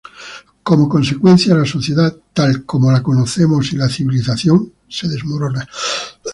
Como consecuencia, la sociedad tal como la conocemos y la civilización se desmorona.